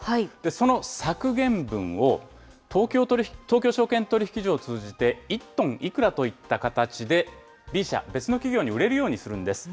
その削減分を東京証券取引所を通じて、１トンいくらといった形で、Ｂ社、別の企業に売れるようにするんです。